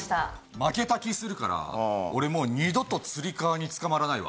負けた気するから、俺、もう二度とつり革につかまらないわ。